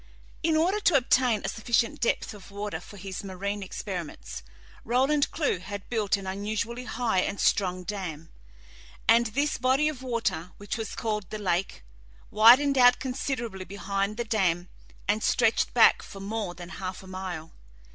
In order to obtain a sufficient depth of water for his marine experiments, Roland Clewe had built an unusually high and strong dam, and this body of water, which was called the lake, widened out considerably behind the dam and stretched back for more than half a mile.